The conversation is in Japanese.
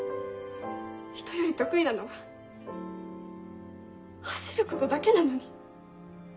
ひとより得意なのは走ることだけなのに。